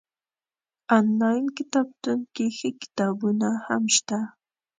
انلاين کتابتون کي ښه کتابونه هم شته